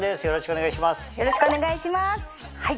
よろしくお願いします。